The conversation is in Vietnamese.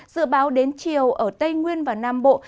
dự báo đến chiều ở tây nguyên và nam bộ